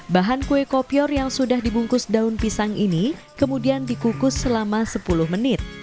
bahan kue kopior yang sudah dibungkus daun pisang ini kemudian dikukus selama sepuluh menit